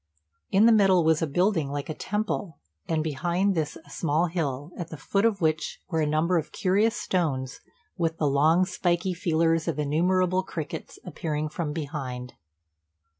In the middle was a building like a temple, and behind this a small hill, at the foot of which were a number of curious stones, with the long, spiky feelers of innumerable crickets appearing from behind.